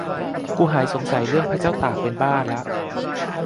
"กูหายสงสัยเรื่องพระเจ้าตากเป็นบ้าละ"